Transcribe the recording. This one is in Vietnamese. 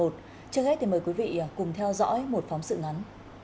trước hết thì mời quý vị cùng theo dõi một phóng sự ngắn